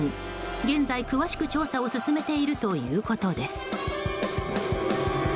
現在、詳しく調査を進めているということです。